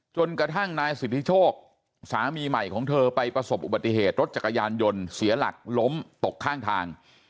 จนกระทั่งนายสิทธิโชคสามีใหม่ของเธอไปประสบอุบัติเหตุรถจักรยานยนต์เสียหลักล้มตกข้างทาง